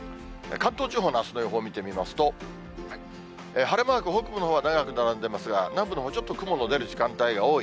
関東地方のあすの予報を見てみますと、晴れマーク、北部のほうは長く並んでますが、南部のほう、ちょっと雲の出る時間帯が多い。